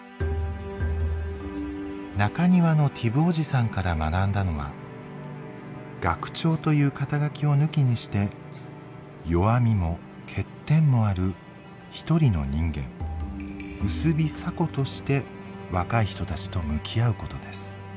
「中庭のティブおじさん」から学んだのは「学長」という肩書を抜きにして弱みも欠点もある一人の人間「ウスビ・サコ」として若い人たちと向き合うことです。